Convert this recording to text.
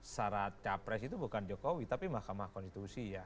syarat capres itu bukan jokowi tapi mahkamah konstitusi ya